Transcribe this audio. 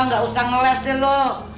enggak usah ngeles deh lo